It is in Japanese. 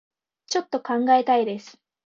ちょっと考えたいです